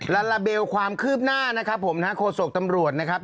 ลาลาเบลความคืบหน้านะครับผมนะฮะโฆษกตำรวจนะครับ